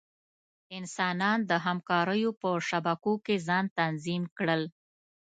انسانان د همکاریو په شبکو کې ځان تنظیم کړل.